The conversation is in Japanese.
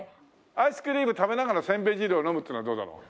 アイスクリーム食べながらせんべい汁を飲むっていうのはどうだろう？